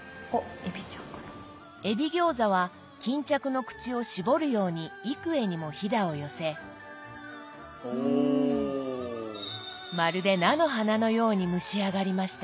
えび餃子は巾着の口を絞るように幾重にもひだを寄せまるで菜の花のように蒸し上がりました。